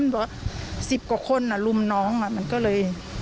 มันเบาะสิบกว่าคนอ่ะลุมน้องอ่ะมันก็เลย